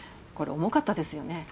これ重かったですよね？